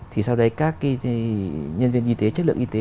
thì sau đấy các nhân viên y tế chất lượng y tế